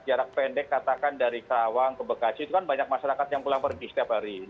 jarak pendek katakan dari karawang ke bekasi itu kan banyak masyarakat yang pulang pergi setiap hari